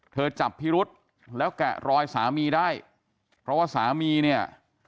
จับพิรุษแล้วแกะรอยสามีได้เพราะว่าสามีเนี่ย